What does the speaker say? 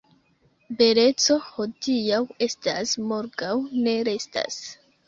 Beleco hodiaŭ estas, morgaŭ ne restas.